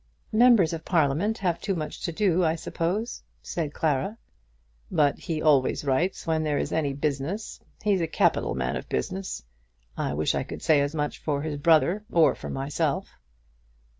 "Members of Parliament have too much to do, I suppose," said Clara. "But he always writes when there is any business. He's a capital man of business. I wish I could say as much for his brother, or for myself."